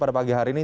pada pagi hari ini